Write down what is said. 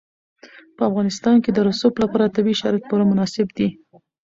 په افغانستان کې د رسوب لپاره طبیعي شرایط پوره مناسب دي.